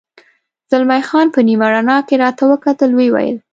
زلمی خان په نیمه رڼا کې راته وکتل، ویې ویل.